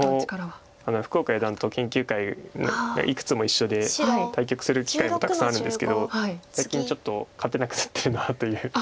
自分も福岡四段と研究会がいくつも一緒で対局する機会もたくさんあるんですけど最近ちょっと勝てなくなってるなという。